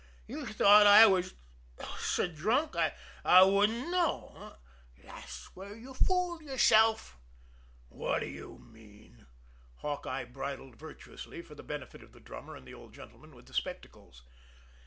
You thought I was hic! s'drunk I wouldn't know eh? Thash where you fooled yerself!" "What do you mean?" Hawkeye bridled virtuously for the benefit of the drummer and the old gentleman with the spectacles.